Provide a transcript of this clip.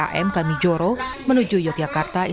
atau spam kami joro menuju ke jalan jalan lintas selatan